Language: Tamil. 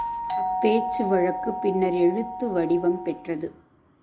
அப்பேச்சு வழக்கு பின்னர் எழுத்து வடிவம் பெற்றது.